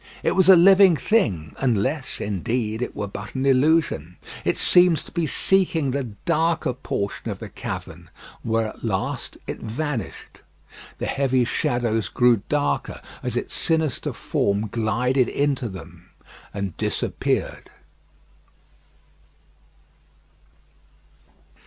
It was a living thing; unless, indeed, it were but an illusion. It seemed to be seeking the darker portion of the cavern, where at last it vanished. The heavy shadows grew darker as its sinister form glided into them, and disappeared.